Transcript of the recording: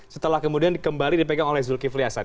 setelah kemudian kembali dipegang oleh zulkifli hasan